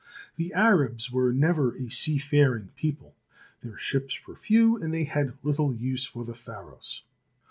The Arabs were never a seafaring people. Their ships were few, and they had little use for the Pharos.